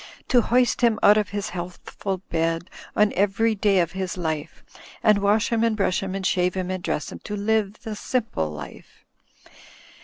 To hoist him out of his healthful bed on every day of his life, And wash him and brush him and shave him and dress him to live the Simple Life.